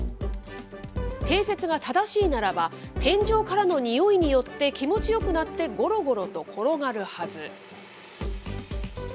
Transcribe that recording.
定説が正しいならば、天井からの匂いによって気持ちよくなってごろごろと転がるはず。